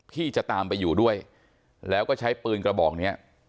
ที่จะตามไปอยู่ด้วยแล้วก็ใช้ปืนกระบอกเนี้ย